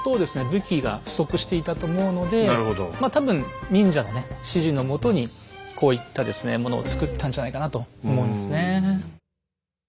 武器が不足していたと思うのでまあ多分忍者のね指示の下にこういったですねものを作ったんじゃないかなと思うんですね。